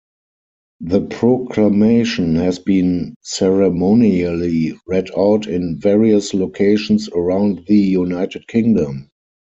The proclamation has been ceremonially read out in various locations around the United Kingdom.